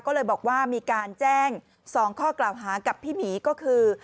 ก็เลยบอกว่ามีการแจ้ง๒ข้อกล่าวหากับพี่หมีก็คือ